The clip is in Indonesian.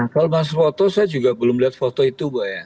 kalau masuk foto saya juga belum lihat foto itu bu ya